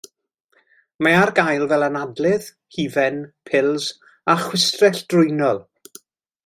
Mae ar gael fel anadlydd, hufen, pils, a chwistrell drwynol.